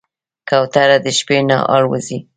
کوتره د شپې نه الوزي.